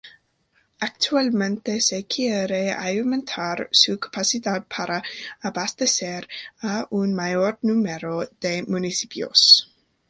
Actualmente se quiere aumentar su capacidad para abastecer a un mayor número de municipios.